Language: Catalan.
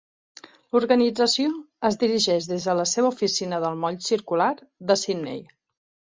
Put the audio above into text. L'organització es dirigeix des de la seva oficina del moll circular de Sydney.